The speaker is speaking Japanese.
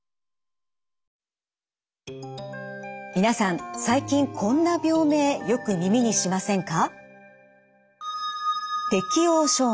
皆さん最近こんな病名よく耳にしませんか？